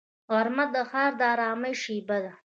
غرمه د ښار د ارامۍ شیبه ده